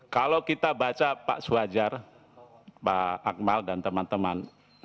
kalau kita baca pak suwajar pak akmal dan teman teman